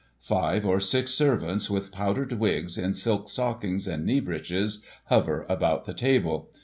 Five or six servants, with powdered wigs, in silk stockings and knee breeches, hover about the table.